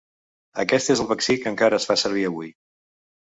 Aquest és el vaccí que encara es fa servir avui.